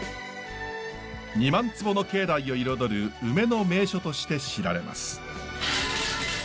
２万坪の境内を彩る梅の名所として知られます。